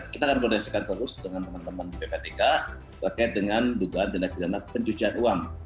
kita akan koordinasikan terus dengan teman teman ppatk terkait dengan dugaan tindak pidana pencucian uang